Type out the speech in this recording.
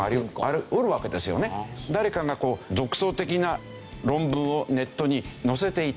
誰かがこう独創的な論文をネットに載せていた。